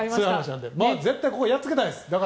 絶対やっつけたいです。